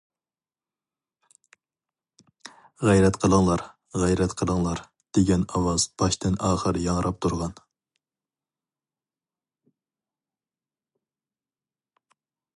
« غەيرەت قىلىڭلار... غەيرەت قىلىڭلار....» دېگەن ئاۋاز باشتىن- ئاخىر ياڭراپ تۇرغان.